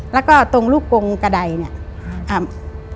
แล้วก็ตรงลูกกงกระดายเนี่ยอ่า